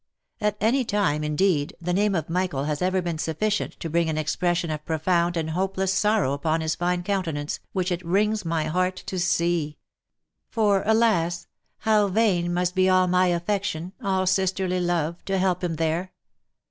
At any time, indeed, the name of Michael has ever been sufficient to bring an expression of profound and hopeless sorrow upon his fine counte nance, which it wrings my heart to see ; for, alas ! how vain must be all my affection, all sisterly love, to help him there